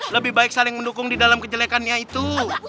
lebih baik saling mendukung di dalam kejelekannya itu